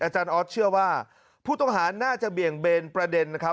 อาจารย์ออสเชื่อว่าผู้ต้องหาน่าจะเบี่ยงเบนประเด็นนะครับ